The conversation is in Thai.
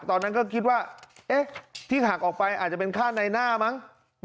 ตอนนั้นก็คิดว่าที่หักออกไปอาจจะเป็นค่าในหน้ามั้ง